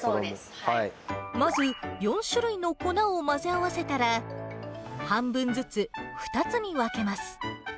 まず、４種類の粉を混ぜ合わせたら、半分ずつ２つに分けます。